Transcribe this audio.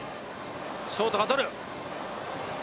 ショートが捕る。